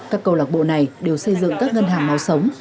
các câu lạc bộ này đều xây dựng các ngân hàng máu sống